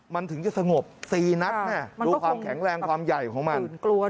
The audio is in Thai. มันถึงจะสงบ๔นัดดูความแข็งแรงความใหญ่ของมัน